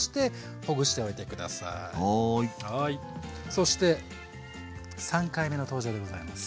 そして３回目の登場でございます。